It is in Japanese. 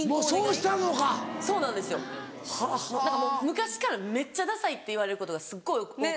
昔からめっちゃダサいって言われることがすごい多くて。